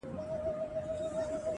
غاړه بنده وزرونه زولانه سوه -